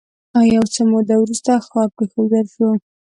یو څه موده وروسته ښار پرېښودل شو